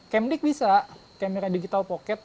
kemdik bisa kamera digital pocket